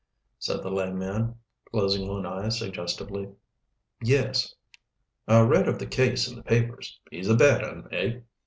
said the lame man, closing one eye suggestively. "Yes." "I read of the case in the papers. He's a bad un, eh?"